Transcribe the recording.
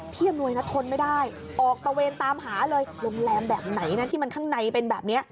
อำนวยนะทนไม่ได้ออกตะเวนตามหาเลยโรงแรมแบบไหนนะที่มันข้างในเป็นแบบนี้